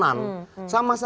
banyak papan reklama